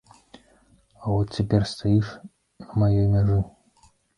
А от цяпер стаіш на маёй мяжы.